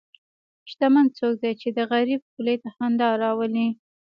شتمن څوک دی چې د غریب خولې ته خندا راولي.